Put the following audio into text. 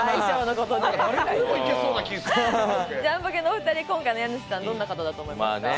ジャンポケのお２人、今回の家主さん、どんな方だと思いますか？